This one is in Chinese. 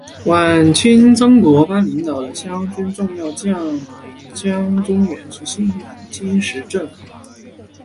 晚清曾国藩领导的湘军重要将领江忠源是新宁金石镇人。